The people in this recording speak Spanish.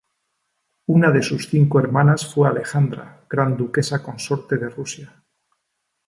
Una de sus cinco hermanas fue Alejandra, gran duquesa consorte de Rusia.